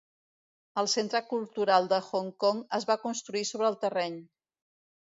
El centre cultural de Hong Kong es va construir sobre el terreny.